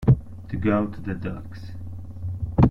To go to the dogs.